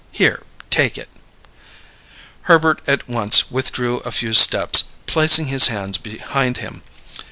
Here, take it." Herbert at once withdrew a few steps, placing his hands behind him.